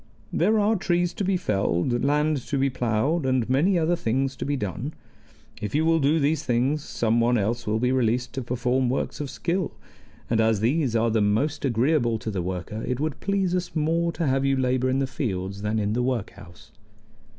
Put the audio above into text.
"There are trees to be felled, land to be plowed, and many other things to be done. If you will do these things some one else will be released to perform works of skill; and as these are the most agreeable to the worker, it would please us more to have you labor in the fields than in the workhouse."